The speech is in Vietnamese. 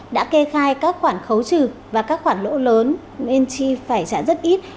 đã kê khai các khoản khấu trừ và các khoản lỗ lớn nên chi phải trả rất ít